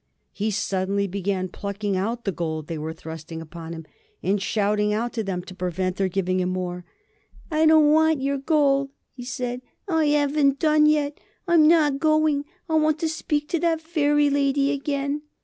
He suddenly began plucking out the gold they were thrusting upon him, and shouting out at them to prevent their giving him more. "'I don't WANT yer gold,' I said. 'I 'aven't done yet. I'm not going. I want to speak to that Fairy Lady again.'